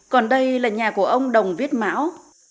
còn đây là nhà của ông đồng viết mão